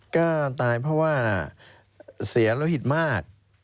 ก็ตายเพราะว่าเสียโลหิตมาก